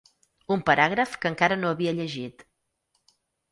Un paràgraf que encara no havia llegit.